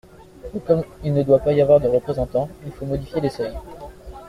Et comme il ne doit pas y avoir de représentant, il faut modifier les seuils.